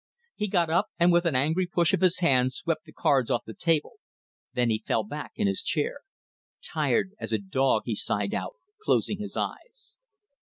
He got up, and with an angry push of his hand swept the cards off the table. Then he fell back in his chair. "Tired as a dog," he sighed out, closing his eyes.